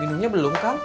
minumnya belum kang